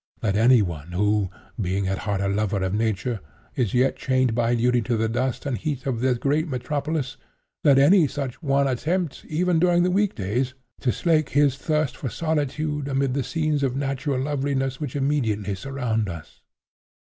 Let any one who, being at heart a lover of nature, is yet chained by duty to the dust and heat of this great metropolis—let any such one attempt, even during the weekdays, to slake his thirst for solitude amid the scenes of natural loveliness which immediately surround us.